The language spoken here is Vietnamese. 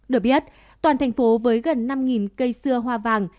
được biết toàn thành phố với gần năm cây xưa hoa vàng